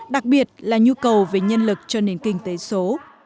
đặc biệt là nhu cầu về nhân lực cho nền kinh tế số